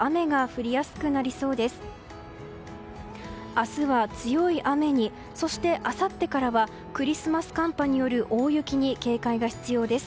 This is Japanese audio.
明日は強い雨にそして、あさってからはクリスマス寒波による大雪に警戒が必要です。